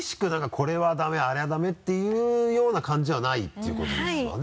「これはダメあれはダメ」っていうような感じはないっていうことですわね？